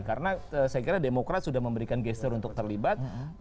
karena saya kira demokrat sudah memberikan gesture untuk terlibat